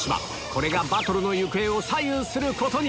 これがバトルの行方を左右することに！